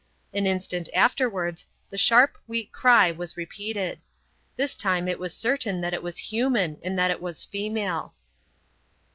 An instant afterwards the sharp, weak cry was repeated. This time it was certain that it was human and that it was female.